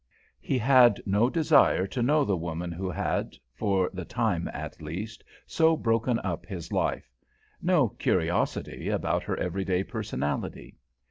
He had no desire to know the woman who had, for the time at least, so broken up his life, no curiosity about her every day personality.